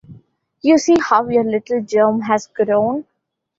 You see how your little germ has grown?